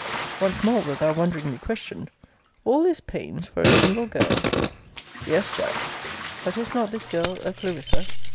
Once more wilt thou wonderingly question All this pains for a single girl? Yes, Jack But is not this girl a CLARISSA?